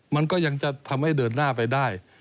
มันก็ยังจะทำให้เดินหน้าไปได้